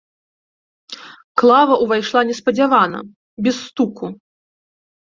Клава ўвайшла неспадзявана, без стуку.